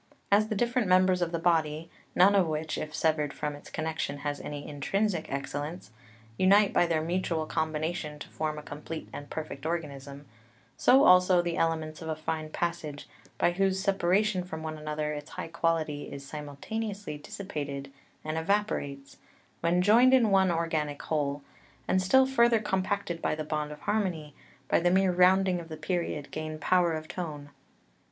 As the different members of the body, none of which, if severed from its connection, has any intrinsic excellence, unite by their mutual combination to form a complete and perfect organism, so also the elements of a fine passage, by whose separation from one another its high quality is simultaneously dissipated and evaporates, when joined in one organic whole, and still further compacted by the bond of harmony, by the mere rounding of the period gain power of tone.